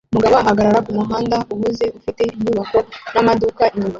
Umugabo ahagarara kumuhanda uhuze ufite inyubako n'amaduka inyuma